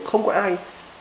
không có ai